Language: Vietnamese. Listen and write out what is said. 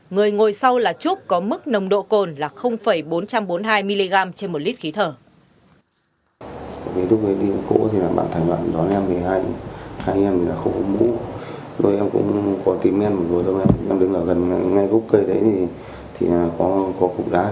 người ngồi sau là trúc có mức nồng độ cồn là bốn trăm bốn mươi hai mg trên một lít khí thở